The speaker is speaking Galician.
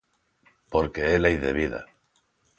Porque é lei de vida.